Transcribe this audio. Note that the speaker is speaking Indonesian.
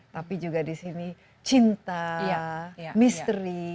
tapi juga di sini cinta misteri